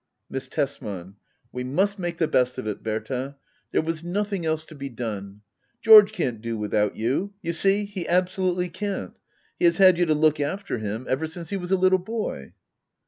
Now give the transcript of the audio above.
^ Miss Tesman. We must make the best of it, Berta. There was nothing else to be done. George can't do with out you, you see — he absolutely can't. He has had you to look after him ever since he was a little boy.